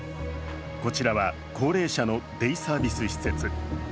こちらは、高齢者のデイサービス施設。